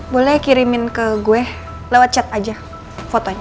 boleh kirimin ke gue lewat chat aja fotonya